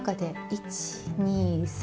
１２３。